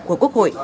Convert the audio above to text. của quốc hội